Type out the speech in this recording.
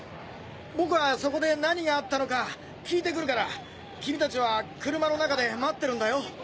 僕はそこで何があったのか聞いてくるから君達は車の中で待ってるんだよ。